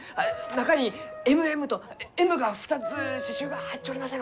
中に「ＭＭ」とＭが２つ刺しゅうが入っちょりませんろうか？